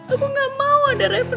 aku gak mau udah refah